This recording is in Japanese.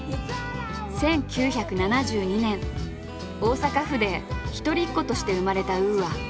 １９７２年大阪府で一人っ子として生まれたＵＡ。